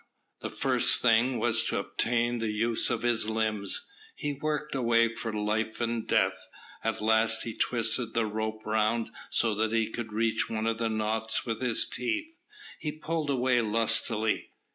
The first thing was to obtain the use of his limbs. He worked away for life and death. At last he twisted the rope round so that he could reach one of the knots with his teeth. He pulled away lustily.